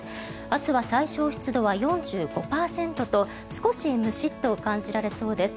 明日は最小湿度は４５％と少しムシッと感じられそうです。